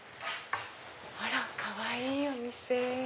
あらかわいいお店！